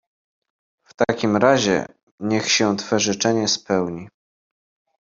"w takim razie niech się twe życzenie spełni."